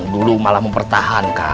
dulu malah mempertahankan